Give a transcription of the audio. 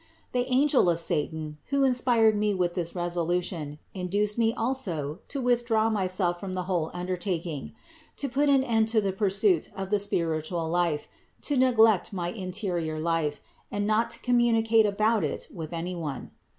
The angel of satan, who inspired me with this resolution, induced me also to withdraw myself from the whole undertaking: to put an end to the pursuit of the spiritual life, to neglect my interior life, and not to communicate about it with any one.